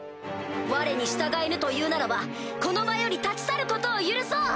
われに従えぬというならばこの場より立ち去ることを許そう！